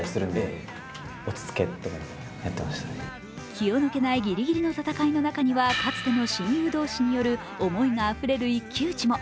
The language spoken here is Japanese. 気の抜けないギリギリの戦いの中にはかつての親友同士による思いがあふれる一騎打ちも。